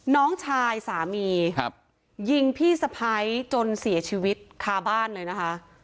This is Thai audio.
น้องชายสามียิงพี่สะพ้ายจนเสียชีวิตคาบ้านเลยนะคะ